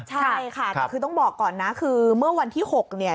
ใช่ค่ะแต่คือต้องบอกก่อนนะคือเมื่อวันที่๖เนี่ย